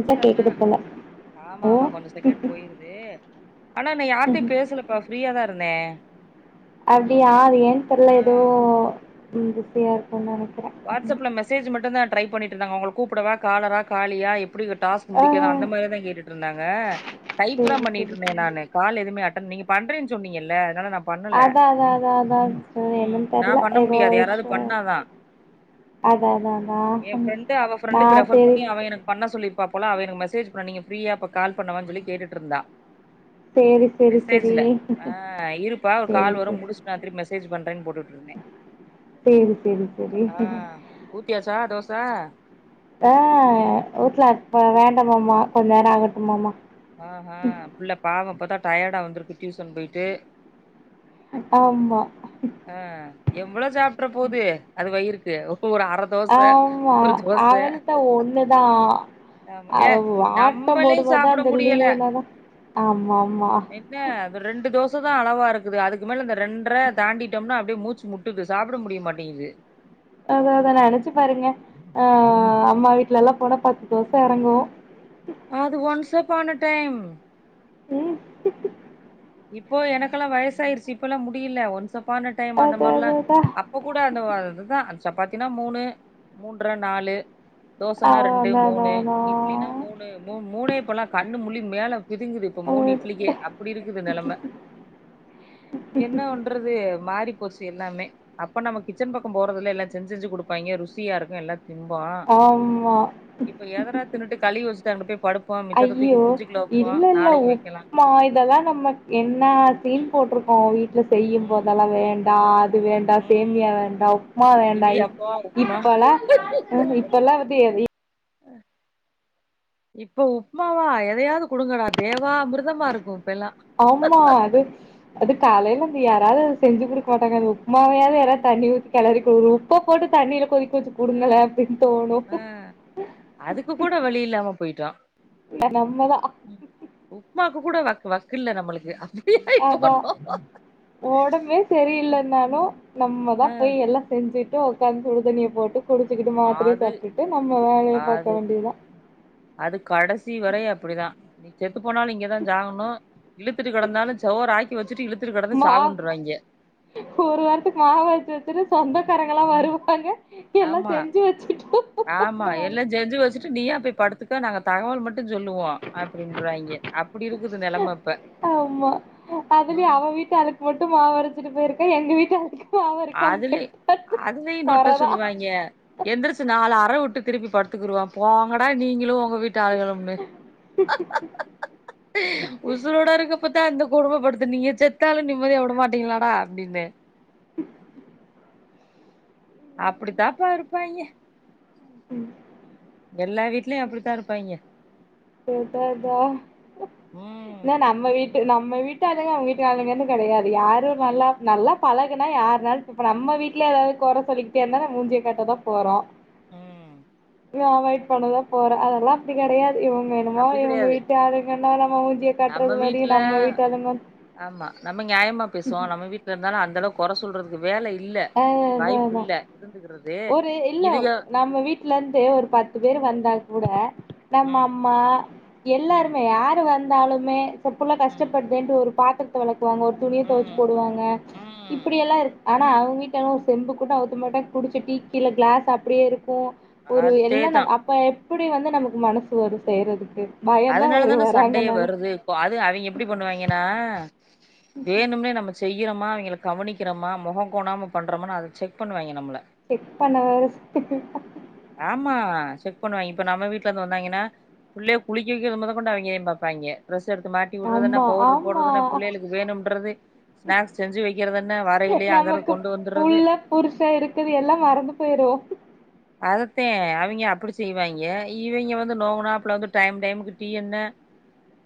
இப்ப கேக்குது போல ஓ ஆமாமாமா கொஞ்சோ செகண்ட் போயிருது ஆனா நா யார்ட்டையு பேசலப்பா ஃப்ரீயாதா இருந்தே அப்டியா அது ஏன் ஆ தெர்ல ஏதோ பிஸியா இருக்கும்னு நெனக்கிறே வாட்ஸ்அப்ல மெசேஜ் மட்டும் தா ட்ரை பண்ணிட்டு இருந்தாங்க உங்கள கூப்டவா காலரா காலியா அப்டி ஒரு டாஸ்க் ஆ முடிக்க தா அந்த மாரி தா கேட்டுட்டு இருந்தாங்க டைப் தா சேரி பண்ணிட்டு சேரி இருந்தே சேரி நானு கால் எதுவுமே அட்டன் நீங்க பண்றேன்னு சொன்னீங்கல்ல அதனால நா பண்ணல அதா அதா அதா அதா சிஸ்டர் ம் என்னன்னு நா தெர்ல பண்ண ஏதோ முடியாது யாராவ்து இஷ்யூ பண்ணா தா அதா தா தா தா எ ஃப்ரெண்டு அவ ஃப்ரெண்டுக்கு ரெஃபர் பண்ணி அவ எனக் பண்ண சொல்லிருப்பா போல அவ என மெசேஜ் பண்ண நீங்க ஃபிரீயாப்ப கால் பண்ணவா சொல்லி கேட்டுட்டு இருந்தா சேரி சேரி சேரி மெசேஜ்ல சேரி ஆ சிஸ் இருப்பா ஒரு கால் வரும் முடிச் ராத்திரி மெசஜ் பண்ரென்னு போட்டு வுட்டு இருந்தேன் செரி செரி ஆ ஊத்தியாச்சா தோச ஆ வீடல இப்ப வேண்டாமாமா கொஞ்ச நேரம் ஆகட்டும்மாமா ஆஹா புள்ள பாவம் இப்ப தா டயர்டா வந்திருக்கு டியூசன் போயிட்டு ஆமா ஆ எவ்ளோ சாப்ட்ற போவுது அது வயிருக்கு ஒரு அற ஆமா அவள்த ஒன்னுதா ஆமா ஏ அவ் ஆட்டம் நம்மளே போடும் போது தா சாப்ட அந்த முடியல லீவுல தா ஆமா ஆமா எங்க அந்த ரெண்டு தோச தா அளவா இருக்குது அது மேல இந்த ரெண்ட்ற தாண்டிட்டட்டோம்னா அப்டியே மூச்சு முட் டுது சாப்ட முடிய மாட்டேங்குது அத அத நெனச்சு பாருங்க ஆ அம்மா வீட்டுல எல்லா போனா பத்து தோச எறங்கு அது ஒன்ஸ் அப் ஆன டைம் ம் இப்போ எனக்கெல்லாம் வயசாய்டுச்சு இப்பல்லாம் முடியல ஒன்ஸ் அப்பான டைம் அந்த அது மாரில்லா அது அதான். அப் அப்போ கூட அந்த அதுதா அந் சப்பாத்தினா மூணு மூன்ர நாலு ஆ தோசனா ரெண்டு அதான் மூணு அதான் இட்லினா அதான். மூணு மூணே மூ மூணே இப்பெல்லா கண்ணு முளி மேல பிதுங்குது இப்ப மூணு ம். இட்லிக்கே அப்டி இருக்கு இருக்குது நெலம என்ன பன்றது மாரி போச்சு எல்லாமே அப்ப நம்ம கிச்சன் பக்கம் போறதுல்ல எல்லாம் செஞ்சி செஞ்சி கொடுப்பாங்க ருசியா இருக்கும் எல்லாம் திம்போம் ஆமா பாத்தரத்த கழுவி வச் சிட்டு அங்க போய் படுப்போம் ஐயோ இல்ல இல்ல வைக்கலா உப்புமா இதெல்லா நம்ம என்னா சீன் போட்ருக்கோ வீ ட்டுல செய்யும் ம் போதெல்லா வேண்டா அது வேண்டா சேமியா ம் வேண்டாம் உப்புமா வேண்டா இடியாப்போ உப்மா இப்பல்லா ம் இப்பல்லா எதையு ஆ இப்ப உப்புமாவா எதையாவது கொடுங்கடா தேவா அமிதர்மா இருக்கு இப்ப எல்லா ஆமா அது அது காலையில வந்து யாராவது செஞ்சு கொடுக்க மாட்டாங்க அது மாவையாவது அ யாராவ்து தண்ணி ஊத்தி கெளறிக்கு உப்ப போட்டு தண்ணியில கொதிக்க வச்சி அ குடுங்களே அப்டின்னு தோணு அ அதுக்கு கூட வழி இல்லாம போயிட்டா ந நம்மதா உப்புமாக்கு கூட வக் வக்கு இல்ல நம்மளுக்கு அப்டியாயி அதான் போனோ உடம்பே சரியில்லனாலும் நம்ம தா ஆ போய் எல்லா செஞ்சுட் உக்காந்து சுடு தண்ணிய போட்டு குடிச்சிட்டு மாத்திரே அது சாப்பிட்டுட்டு நம்ம வேலையை பாக்க அது வேண்டிய தா அது கடைசி வரை அப்டி தா செத்து போனாலு இங்கே தா சாகணும் இழுத்துட்டு கெடந்தாலும் சோறு ஆக்கி வச்சிட்டு இழுத்துட்டு கெடந்து மாவ் சாகனுருவாய்ங்கே ஒரு வாரத்துக்கு மாவு அரச்சி வச்சிரு சொந்தக்காரங்கல்லா வருவாங்க எல்லா ஆமா செஞ்சு வச்சுட்டு ஆமா போணுவாங்க எல்லா செஞ்சு வச்சிட் டு நீயா போய் படுத்துக்க நாங்க தகவல் மட்டு சொல்லுவோ அப்டின்றாய்ங்க அப்பிடி இருக்குது நெலம இப்ப ஆமா அதுலயு ம் அவ வீட்டு ஆளுக்கு மட்டு மாவரச்சிட்டு போயிருக்க எங்க வீட்டு ஆளுக்கு மாவு அரைக்காம அதுலய் போயிட்டா அதுலயு நொட்ட கொறதா சொல்லுவாய்ங்க எந்திரிச்சு நாலு அர வுட்டு திருப்பி படுத்துக்கிருவா போங்கடா நீங்களு உங்க வீட் டாளுகளும்னு உசுரோட இருக்கப்பத்தா இந்த கொடுமப்படுத்துனீங்க செத்தாலு நிம்மதியா விட மாட்டீங்ளாடா அப்டின்னு அப்பிடித்தாப்பா இருப்பாய்ங்க ம் எல்லா வீட்லயு அப்பிடித்தா இருப்பாய்ங்க கேட்டதா ம் ன நம்ம வீட்டு நம்ம வீட்டு ஆளுங்க அவ்ங்க வீட்டு ஆளுங்கன்னு கெடையாது யாரு நல்லா நல்லா பழகுனா யார்னால் இப்ப நம்ம வீட்ல எதாவ்து கொற சொல்லிக்கிட்டே இர்ந்தா நாம் மூஞ்சியக்காட்ட தா போறோ ம் நா அவாய்ட் பண்ணதா போறே அதெல்லா அப்டி கெடையாது இவங்க என்னமோ அப்டி இவங்க கெடையாது வீட்டாளுங்கன்னா நம்ம மூஞ்சிய நம்ம காட்டுறது மாரி வீட்ல நம்ம வீட்டு ஆளுங்க ஆமா நம்ம நியாயமா பேசுவோ நம்ம வீட்லர்ந்தாலு அந்தளவுக் கொற சொல்றதுக்கு வேல இல்ல ஆ அதா அதா வாய்ப்பில்ல இருந்துகிறது இதுவே வீட்லர்ந்து ஒரு பத்து பேரு வந்தா கூட நம்ம ம் அம்மா ம் எல்லாருமே யா ரு வந்தாலுமே செர் புள்ள ம் கஷ்டப்படுதேன்ட்டு ஒரு பாத்தரத் த வெளக்வாங்க ஒரு துணிய தொவச்சு ம் போடுவாங்க ம் இப்பிடியெல்லா இருக் ஆனா அவ்ங் வீ ட்டம்மா ஒரு செம்பு கூட நவ்த்த மட்டாங் குடிச்ச டீ கீழ க்ளாஸ் அப்பிடியே இருக்கு ஒரு எல்லா அதேதா நம் அப் ப எப்பிடி வந்து நமக்கு மனசு வரு செய்றதுக்கு பயந்தா வரு வராங்கனாலே கு அது அவிங்க எப்பிடி பண்ணுவாய்ங்கனா வேணும்னே நம்ம செய்யிறமா அவிங்கள கவனிக்கிறமா மொகோ கோணாம பண்றமானு அத செக் பண்ணுவாய்ங்க நம்மள செக் பண்ண வேற ஆமா செக் பண்ணுவாய்ங்க இப்ப நம்ம வீட்லர்ந்து வந்தாய்ங்கனா புள்ளைய குளிக்க வெக்கிறது மொத கொண்டு அவிங்கதா பாப்பாய்ங்க ட்ரெஸ் எடுத்து மாட் டி உட்றதென்ன ஆமா பவுட்ரு ஆமா போட்றதென்ன புள்ளையளுக்கு வேணும்ன்றது ஸ்நாக்ஸ் செஞ்சு வெக்கிறதென்ன வரைலயே அங்கரு கு புள்ள புருசே இருக்கற்து எல்லா மறந்து போய்ரு அதத்தே அவிங்க அப்பிடி செய்வாய்ங்க இவிங்க வந்து நோகுனாப்ல வந்து டைம் டைமுக்கு டீ என்ன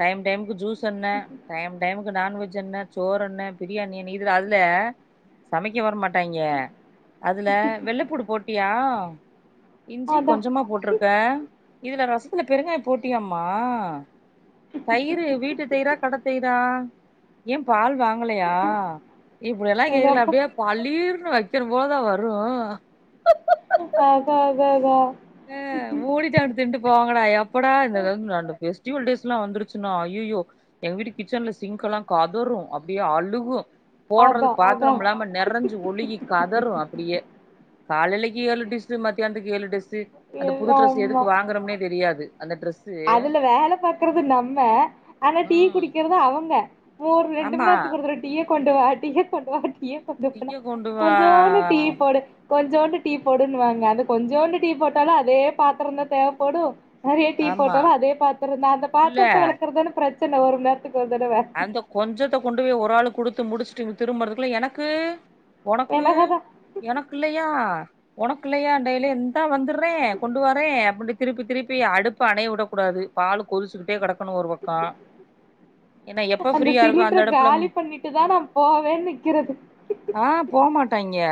டைம் டைமுக்கு ஜூஸ் என்ன டைம் டைமுக்கு நான்வெஜ் என்ன சோறென்ன பிரியாணி என்ன இதுல அதுல சமைக்க வர மாட் டாய்ங்க அதுல வெள்ளப்பூடு போட்டியா இஞ்சி அதா கொஞ்சமா போட்ருக் க இதுல ரசத்துல பெருங்காயோ போட்டியாம்மா தயிரு வீட்டு தயிரா கட தயிரா ஏ பால் வாங்கலயா இப்பிடியெல்லா அதா கேக்கல அப்டியே பளீர்னு வைக்கணு போலதா வரு அதா அதா அதா மூடிட்டு அங்குட்டு தின்ட்டு போங்கடா எப்படா இந்தளவுக் லாண்டு ஃபெஸ்டிவல் டேஸ்லா வந்துரு ச்சுன்னா ஐயயோ எங்க வீட்டு கிச்சன்ல சிங்க் எல்லா கதரு அப்டியே அழுகு அதா போட்றதுக் அதா அதா பாத்தரம் இல்லாம நெறஞ்சு ஒழுகி கதரு அப்பிடியே காலைலிக்கு ஏழு டிஸ்சு மத்யான்த்துக்கு ஏழு டிஸ்சு அந்த புது ட்ரஸ்ஸு எதுக்கு ஆமா வாங்கறம்னே தெரியாது அந்த ட்ரஸ் அதுல வேல பாக்குறது நம்ம ஆனா டீ ம் குடிக்கிறது அவுங்க மோர் ரெண்டு மண் ஆமா நேரத்துக்கு ஒரு தடவ டீய கொண்டு வா டீய கொண்டு வா டீயக் திய கொண்டு [unintelligible] வா கொஞ்சோண்டு டீ போடு கொஞ்சோண்டு டீ போடுன்னுவாங்க அந்த கொஞ்சோண்டு டீ போட்டாலு அதே பாத்தரதா தேவைப்படு நெறைய டீ ஆமா போட்டாலு அதே பாத்திரந்தா அந்த இல்ல பாத்திரத்த வெளக்குறதுதான பிரச்சன ஒரு மண் நேரத்துக்கு ஒரு தடவ அந்த கொஞ்சத்த கொண்டு போய் ஒரு ஆளுக்கு குடுத்து முடிச்சுட்டு இங்க திரும்பறதுக்குள்ள எனக்கு உனக்கு எனக்குதா எனக்கில்லையா உனக்கில்லையாண்டையிலே இந்தா வந்தறே கொண்டு வரே அப்டின்டு திருப்பி திருப்பி அடுப்ப அணைய விடக்கூடாது பாலு கொதிச்சுகிட்டே கெடக்கனு ஒரு பக்கோ ஏன்னா எப்ப அந்த ஃப்ரீயா இருக்கோ சிலிண்டர அந்த அடுப்புல காலி பண்ணிட்டுதா நா போவேன்னு நிக்கிறது ஆ போமாட்டாங்கிய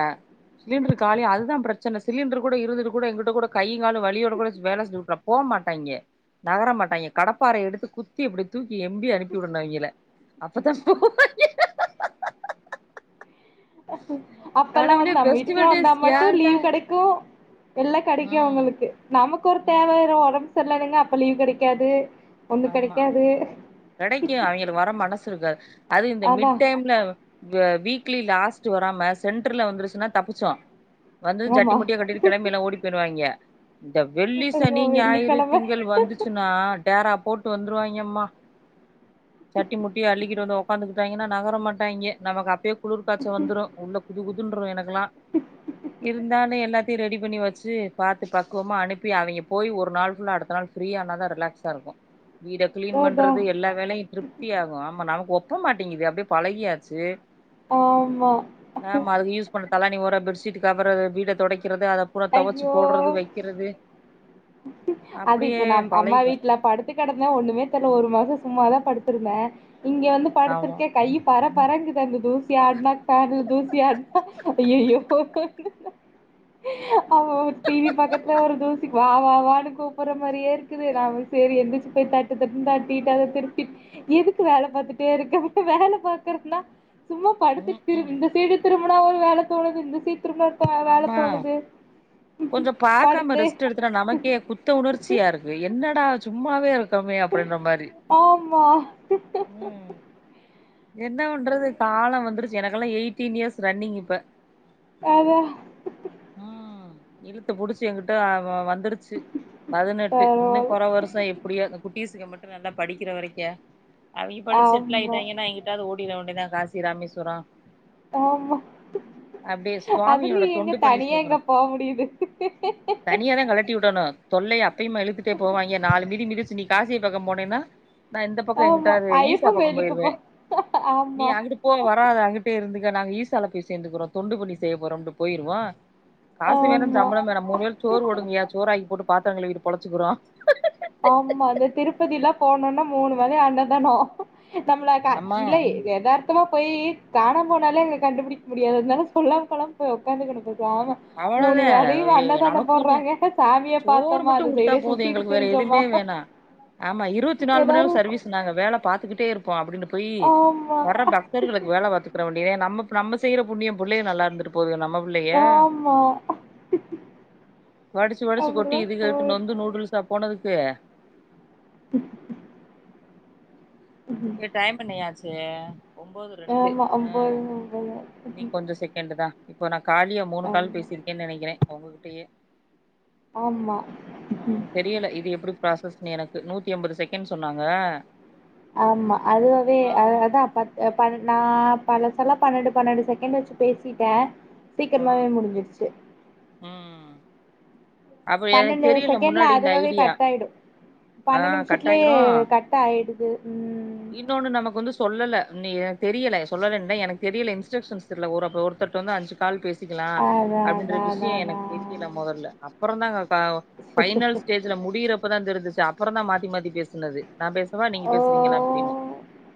சிலிண்டர் காலிய அதுதா பிரச்சன சிலிண்டர் கூட இருந்துட்டு கூட எங்கிட்டோ கூட கையு காலு வழியோட கூட வேல செஞ்சுட்டு இருக்குகோ போமாட்டாங்க நகர மாட்டாங்க கடப்பாறய எடுத்து குத்தி இப்டி தூக்கி எம்பி அனுப் விடனு அவங்கள அப்பதா போவாங்கே அப்ப எல்லா கடவுளே வந்தா நம்ம ஃபெஸ்டிவல் வீட்டுக்குல்லா வந்தா டேஸ் மட்டு ஏன்டா லீவ் கெடைக்கு எல்லா கெடைக்கு ம் அவுங்களுக்கு நமக்கு ஒரு ம் தேவ ஒடம்பு செரியல்லனுங்க அப்ப லீவ் கெடைக்காது ஒண்ணு ஆமா கெடைக்காது கெடைக்கு அவங்களுக்கு வர மனசு இருக்காது அது இந்த அதா மிட் டைம்ல வீக்லி லாஸ்ட்டு வராம சென்ட்ர்ல வந்துருச்சுன்னா தப்பிச்சோ வந்து சட்டி ஆமா முட்டியா கட்டிக் கிழமைல்ல ஓடி போய்டுவாங்க இந்த வெள்ளி ஐயோ சனி ஞாயிறு வெள்ளிக்கெழம திங்கள் வந்துச்சுன்னா டேரா போட்டு வந்துருவாங்க அம்மா சட்டி முட்டி அள்ளிக்கிட்டு வந்து உக்காந்துக் [unintelligible] நகர மாட்டாங்க நமக்கு அப்டியே குளிர் காய்ச்ச வந்துரு உள்ள குதுகுதுன்னுரு எனக்குல்லா இருந்தாலு எல்லாத் தியு ரெடி பண்ணி வச்சு பாத்து பக்குவமா அனுப்பி அவங்க போய் ஒரு நாள் ஃபுல்லா அடுத்த நாள் ஃப்ரீய ஆனாதா ரிலாக்ஸ்சா இருக்கு வீட கிளீன் அதா பண்றது எல்லா வீ வேலையு திருப்தி ஆகு ஆமா நமக்கு ஒப்பமாட்டேங்குது அப்டியே பழகியாச்சு ஆமா ஆமா அதுக யூஸ் பண்ண தலவாணி ஒர பெட்ஷீட் கவரு வீட தொடைக்கிறது அத பூரா துவச்சு ஐயோ போடுறது வைக் க்கிறது அது இப்ப நம் அம்மா பழகி போச்சு வீட்ல படுத் எப்டி கெடந்தா ஒண்ணுமே தெர்ல ஒரு மாசம் சும்மாதா படுத்திருந்த இங்க வந்து ஆமா படுத்துருக்கே கை பரப்பரங்குதா அங்கு தூசி ஆடுனா ஃபேனு தூசி ஆடுனா ஐய்யையோ [unintelligible] டிவி பக்கத்துல ஒரு தூசி வா வா வானு கூப்ற மாரியே இருக் இருக்குது நா சேரி எந்திரிச்சு போய் தட்டு தட்டுன்னு தட்டிட்டு அத திருப்பி எதுக்கு வேல பாத்துட்டே இருக்க வேல பாக்குறதுன்னா சும்மா படுத்து ம் ம் திரும் இந்த சைடு திரும்புனா ஒரு வேல தோணுது இந்த சைடு திரும்புனா வேல ஆமா தோணுது கொஞ்சோ பாக்காம படுத்து [unintelligible] நமக்கே குத்த உணர்ச்சியா இருக்கு என்னடா சும்மாவே இருக்கமே அப்டியின்ற மாரி ஆமா ம் என்ன வண்றது கால வந்துருச்சு எனக்கு எல்லா எயிட்டீன் இயர்ஸ் ரன்னிங் இப்ப அதா ஆ இழுத்து பிடிச்சு எங்கிட்டோ வந்துடுச் சு பதினெட்டு இன்னு பரவால்ல கொற வர்ஷோ எப்டியோ இந்த குட்டிசுங்க மட்டு நல்லா படிக்கிற வரைக்க அவங்க படிச்சி செட்டில் ஆமா ஆயிட்டாங்கன்னா எங்கிட்டாவது ஓடியிற வேண்டியதுதான் காசி ராமேஸ்வரம் ஆமா சுவாமியோட அதுலயும் எங்க தொண்டு பணி தனியா செய்றோ எங்க போக முடியுது தொல்லை அப்பயும் இழுத்துகட்டே போவாங்கயன் நாலு மீதி மிதிச்சு நீ காசியை பக்கம் போனேன்னா நான் இந்த பக்கம் எங்கிட்டவாது ஈசியர்பக்கம் போயிருவேன் ஆம் நீ அங்கிட்டு போ வராத அங்கிட்டே இருந்துக்க நாங்க ஈசால போய் சேர்ந்துக்கறோம் தொண்டு பணி செய்ய போறோம்னு போயிருவோம் காசு வேணும் ஆமா சம்பளம் வேண மூணுவேல் சோறு போடுங்கயா சோறுராக்கி போட்டு பாத்திரங் கழிவிட்டு பொழைச்சுகிறோம் ஆமா அந்த திருப்பதிலா போனோனா மூணுவேலையும் அன்னதானம் நம்மள அம்மா இல்லயே ஏதார்த்தமா போய் காண போனாலே அங்க கண்டுபிடிக்க முடியாது அதனால சொல்ல கொள்ளாம போய் உட்காந்துஇருப்போம் ஆமா மூணு அவ்வளோதா வேலயு அண்ணதானம் நமக்குன்னு போட்றாங்க சாமிய பாத்தோமா அது சைடே சுத்திட்டு திரஞ் வே வேணா ஆமா இருவத்தி நாலு மண் ஏதாவது நேர இருக்கும். சர்வீஸ் நாங்க வேல பாத்துக்கிட்டே இருப்போ அப்டின்னு ஆமா, [unintelligible] சர்களுக்கு வேல பாத்துக்கற வெண்டிதா நம்ம நம்ம செய்ற புண்ணியம் பிள்ளெ நல்லா இருந்துட்டு போதுக நம்ம புள்ளைய ஆமா வடிச்சு வடிச்சு கொட்டி அப்படிதான் இதுகள்கு நொந்து போயிருக்கு. நூடுல்ஸா போனதுக்கு உம் ஏ டைம் எண்ணியாச்சு ஒம்போது ரெண்டு ஆமா ஆ இனி கொஞ்சோ செகண்டு் தா இப்போ நான் காலிய மூணு கால் ஆமா. பேசிருக்கேன் நனைக்கிற உங்ககிட்டையே ஆமா ம் டியல இது எப்டி ப்ராசஸ்ன்னு எனக்கு நூத்தி எம்பது செகண்ட் சொன்னாங்க ஆமா அதுவாவெ ஆமா அதா பத் ப நா பலசலா பன்னெண்டு பன்னெண்டு செகண்ட் வச்சு பேசிட்ட சீக்கிரமாவே முடிஞ்சிடுச்சு உம் பன்னெண்டு செகண்ட்ல முன்னாடி இந்த அதுவாவே ஐடியா கட் ஆயிடு ஆ பன்னெ நிமிஷத்துலயே கட்டாயிரு கட் ஆயிடுது உம் இன்னொன்னு நமக்கு வந்து சொல்லல நெ தெரியல சொல்லலனு இல்ல எனக்கு தெரியல இன்ஸ்ட்ரக்ஷன்ஸ் இல்ல ஒரப் ஒருத்தட்டந்து அஞ்ச கால் பேசு க்கலாம் அதான் அப்டின்ற அதான் அதான் விஷய எனக்கு அதான். தெரியல முதல்ல அப்புற தா பைனல் ஸ்டேஜ் ல முடியிறப்பதா தெரிஞ்சச்சு அப்புற தான் மாத்தி மாத்தி பேசுனது நா பேசவா நீங்க ஓ! பேசுறீங்களா அப்டின்னு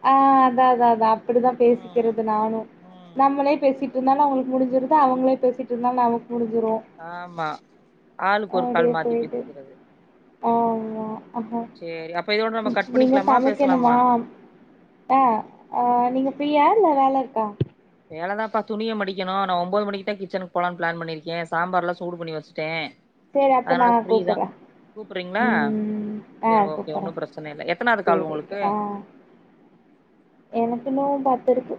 ஆ அதா அதா அதா அப்டிதா ம் பேசிக்றது நானு ம் நம்மளே பேசிட் இருந்தாலு அவங்களுக்கு முடிஞ்சிருது அவங்களே பேசிட்டு இருந்தாலு நமக்கு முடிஞ்சிரு ஆமா ஆளுக்கு ஒரு கால் மாத்தி போயிட்டு. பேசிக்கிறது ஆமா. ஆஹா. செரி அப்ப இதோட நம்ம ம். கட் பண்ணிக்லாமா பேசலாமா தா ஆ நீங்க ஃப்ரீயா இல்ல வேல இருக்கா வேலதாப்பா துணிய மடிக்கணு நா ஒம்பது மணிக்குதா கிச்சனுக்கு போலான் பிளான் பண்ணிருக்கே சாம்பார்லா சூடு பண்ணி வச்ட்ட செர் அப்பனா கூப்பற கூப்றீங்ளா செரி ஓகே கூப்புட்றே ஒன்னு பிரச்சன இல்ல எத்தனாது கால் சேரி உங்களுக்கு எனக்கின்னு பத்ருக்கு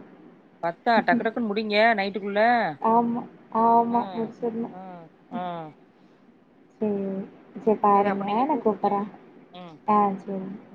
பத்தா டக்கு டக்குன்னு முடிங்க நைட்டுக்குள்ள ஆமா ஆமா ம் முடிச்சர்னு ம் ம் செரி செர் சரி அப்ப பாருங்க நீங்க நா கூப்புடுங்க கூப்பறே ம் ஆ செரி